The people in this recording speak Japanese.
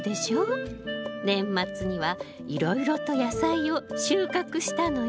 年末にはいろいろと野菜を収穫したのよ。